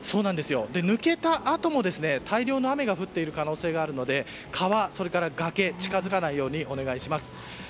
抜けたあとも、大量の雨が降っている可能性があるので川、崖近づかないようにお願いします。